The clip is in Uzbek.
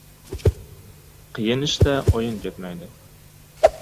— Qiyin ishda o‘yin ketmaydi!